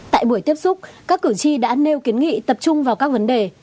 tại buổi tiếp xúc các cử tri đã nêu kiến nghị tập trung vào các vấn đề